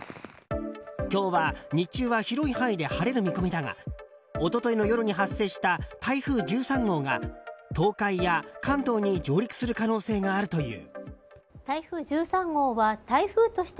今日は日中は広い範囲で晴れる見込みだが一昨日の夜に発生した台風１３号が東海や関東に上陸する可能性があるという。